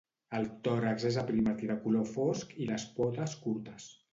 El tòrax és aprimat i de color fosc i les potes curtes.